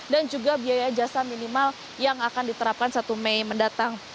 dan juga biaya jasa minimal yang akan diterapkan satu mei mendatang